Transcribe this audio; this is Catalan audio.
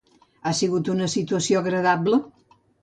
Ha sigut una situació agradable?